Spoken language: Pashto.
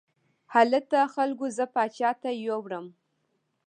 هلته خلکو زه پاچا ته یووړم.